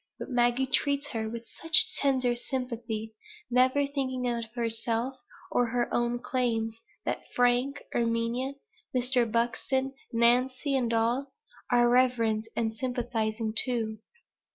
But Maggie treats her with such tender sympathy, never thinking of herself or her own claims, that Frank, Erminia, Mr. Buxton, Nancy, and all, are reverent and sympathizing too.